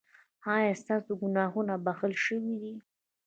ایا ستاسو ګناهونه بښل شوي دي؟